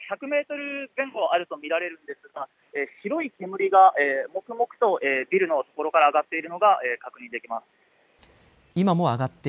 規制線から現場まではおよそ１００メートル前後あると見られるんですが白い煙がもくもくとビルの所から上がっているのが確認できます。